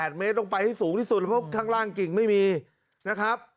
เออก็๘เมตรต้องไปให้สูงที่สุดเพราะว่าข้างล่างกิ่งไม่มีนะครับ